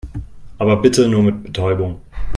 Aber bitte nur mit Betäubung.